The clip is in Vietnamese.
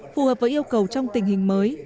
phù hợp với yêu cầu trong tình hình mới